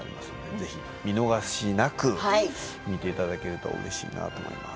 ぜひお見逃しなく見ていただけるとうれしいなと思います。